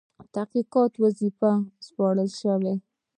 تحقیقاتو وظیفه وسپارله شوه.